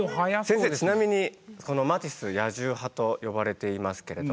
先生ちなみにこのマティス「野獣派」と呼ばれていますけれども。